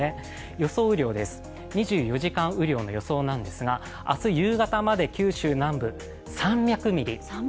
予想雨量です、２４時間雨量の予想なんですが明日夕方まで九州南部、３００ミリ。